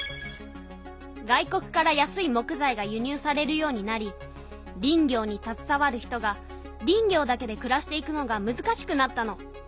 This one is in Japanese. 外国から安い木材がゆ入されるようになり林業にたずさわる人が林業だけでくらしていくのがむずかしくなったの。